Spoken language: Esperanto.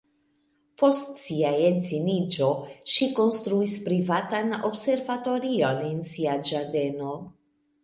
Post sia edziniĝo, ŝi konstruis privatan observatorion en sia ĝardeno.